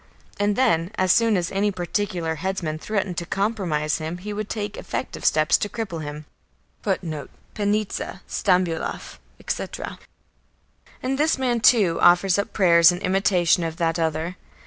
And then, as soon as any particular headsman threatened to compromise him he would take effective steps to cripple him. And this man, too, offers up prayers in imitation of that other.